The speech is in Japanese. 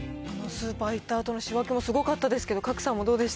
スーパー行ったあとの仕分けもすごかったですけど、賀来さん